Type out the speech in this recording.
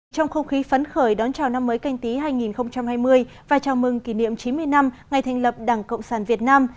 trong không khí phấn khởi đón chào năm mới canh tí hai nghìn hai mươi và chào mừng kỷ niệm chín mươi năm ngày thành lập đảng cộng sản việt nam